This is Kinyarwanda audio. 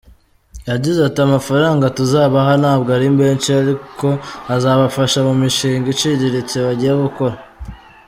Yagize ati”Amafaranga tuzabaha ntabwo ari menshi ariko azabafasha mu mishinga iciriritse bagiye gukora.